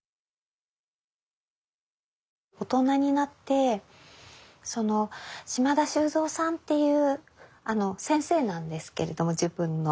大人になって島田修三さんっていう先生なんですけれども自分の。